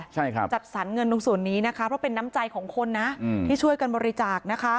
ใช่ครับจัดสรรเงินตรงส่วนนี้นะคะเพราะเป็นน้ำใจของคนนะที่ช่วยกันบริจาคนะคะ